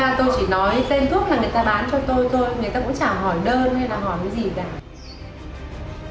dễ lắm tôi ra tôi chỉ nói tên thuốc là người ta bán cho tôi thôi người ta cũng chả hỏi đơn hay là hỏi cái gì cả